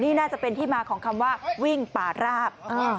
นี่น่าจะเป็นที่มาของคำว่าวิ่งปาดราบ